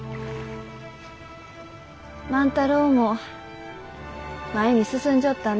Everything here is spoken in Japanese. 万太郎も前に進んじょったね。